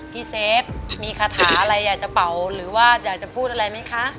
เซฟมีคาถาอะไรอยากจะเป่าหรือว่าอยากจะพูดอะไรไหมคะ